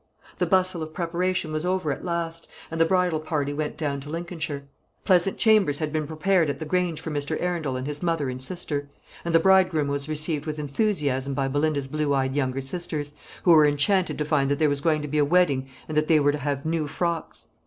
The bustle of preparation was over at last, and the bridal party went down to Lincolnshire. Pleasant chambers had been prepared at the Grange for Mr. Arundel and his mother and sister; and the bridegroom was received with enthusiasm by Belinda's blue eyed younger sisters, who were enchanted to find that there was going to be a wedding and that they were to have new frocks.